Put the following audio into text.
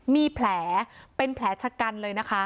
มีแผลเป็นแผลชะกันเลยนะคะ